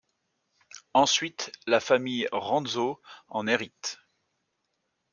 Ensuite la famille Rantzau en hérite.